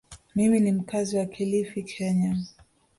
Mimi ni mkazi wa Kilifi, Kenya.